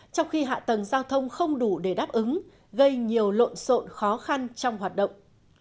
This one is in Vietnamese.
trong khi hạ tầng giao thông không đủ để đáp ứng gây nhiều lộn xộn khó khăn trong hoạt động